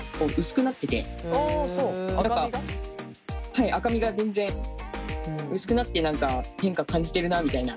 はい赤みが全然薄くなって何か変化感じてるなみたいな。